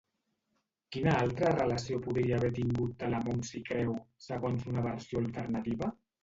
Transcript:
Quina altra relació podria haver tingut Telamó amb Cicreu, segons una versió alternativa?